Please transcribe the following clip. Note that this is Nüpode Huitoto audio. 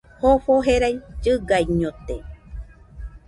Jofo jerai llɨgaiñote